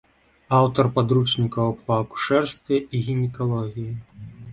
Аўтар падручнікаў па акушэрстве і гінекалогіі.